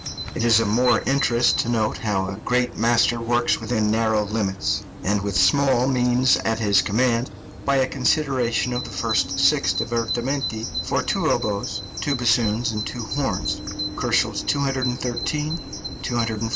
It is of more interest to note how a great master works within narrow limits, and with small means at his command, by a consideration of the six divertimenti for two oboes, two bassoons, and two horns (213, 240, 252, 253, 270, 289, K.)